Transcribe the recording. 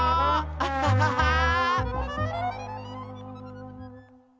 アッハハハー！